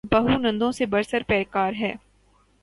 بہو نندوں سے برسر پیکار ہے۔